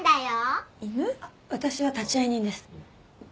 私は立会人です。